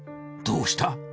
どうした？